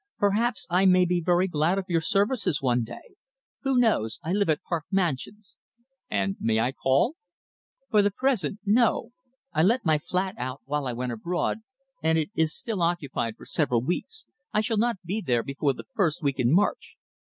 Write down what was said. "Perhaps I may be very glad of your services one day. Who knows? I live at Park Mansions." "And may I call?" "For the present, no. I let my flat while I went abroad, and it is still occupied for several weeks. I shall not be there before the first week in March."